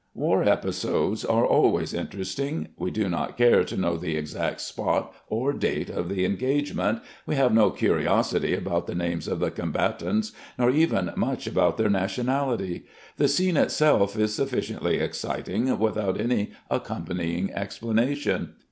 War episodes are always interesting. We do not care to know the exact spot or date of the engagement, we have no curiosity about the names of the combatants, nor even much about their nationality. The scene itself is sufficiently exciting without any accompanying explanation.